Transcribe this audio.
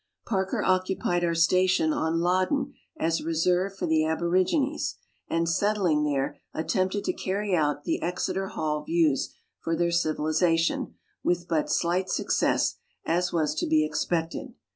Parker occupied our station on Loddon as a reserve for the aborigines, and, settling there, attempted to carry out the Exeter Hall views for their civilization, with but slight success, as was to be expected.